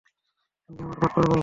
তুমি কি আমায় বাটপার বলছ?